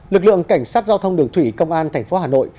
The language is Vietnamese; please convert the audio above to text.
lực lượng cảnh sát giao thông đường thủy công an tp hà nội